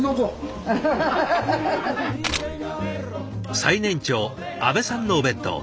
最年長阿部さんのお弁当。